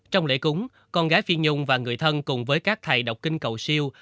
trong lễ cúng con gái phi nhung và người thân cùng với các thầy độc kinh cầu siêu